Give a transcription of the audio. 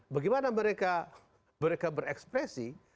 bagaimana mereka berekspresi